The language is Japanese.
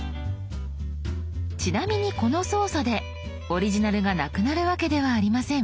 ちなみにこの操作でオリジナルがなくなるわけではありません。